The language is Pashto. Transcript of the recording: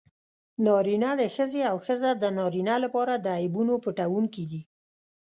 نارینه د ښځې او ښځه د نارینه لپاره د عیبونو پټوونکي دي.